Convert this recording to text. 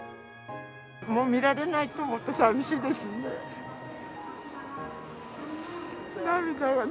もう見られないと思うとさみしいですね。